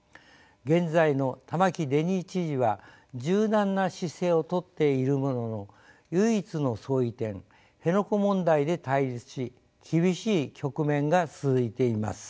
現在の玉城デニー知事は柔軟な姿勢をとっているものの唯一の相違点辺野古問題で対立し厳しい局面が続いています。